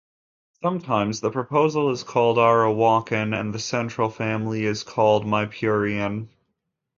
Sometimes, the proposal is called Arawakan, and the central family is called "Maipurean".